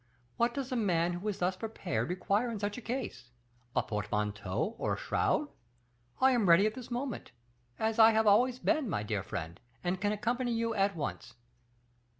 What does a man who is thus prepared require in such a case? a portmanteau, or a shroud. I am ready at this moment, as I have always been, my dear friend, and can accompany you at once."